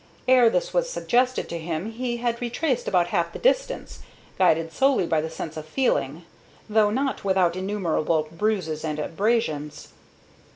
Ere this was suggested to him he had retraced about half the distance, guided solely by the sense of feeling, though not without innumerable bruises and abrasions.